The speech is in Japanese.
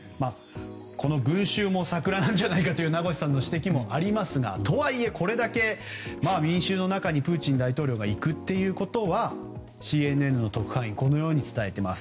この群衆もサクラなんじゃないかという名越さんの指摘もありますがとはいえこれだけ民衆の中にプーチン大統領が行くということはＣＮＮの特派員はこう伝えています。